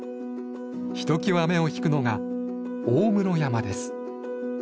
ひときわ目を引くのが大室山です。